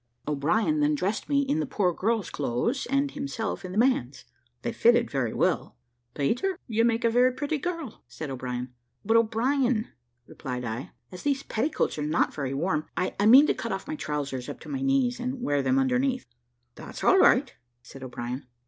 O'Brien then dressed me in the poor girl's clothes, and himself in the man's; they fitted very well. "Peter, you make a very pretty girl," said O'Brien. "But, O'Brien," replied I, "as these petticoats are not very warm, I mean to cut off my trousers up to my knees, and wear them underneath." "That's all right," said O'Brien.